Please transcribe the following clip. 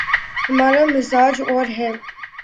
ہمارامزاج اور ہے۔